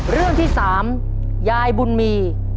เรื่องที่๓ยายบุญมี